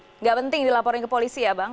tidak penting dilaporin ke polisi ya bang